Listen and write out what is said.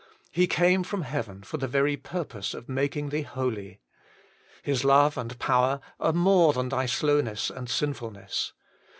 He came from heaven for the very purpose of making thee holy. His love and power are more than thy slowness and sinfulness.